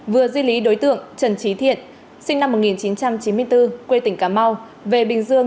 vừa di lý đối tượng trần trí thiện sinh năm một nghìn chín trăm chín mươi bốn quê tỉnh cà mau về bình dương